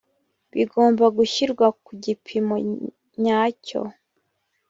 bigomba gushyirwa ku gipimo nyacyo